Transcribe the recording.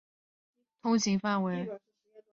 拉贾斯坦邦为印地语的通行范围。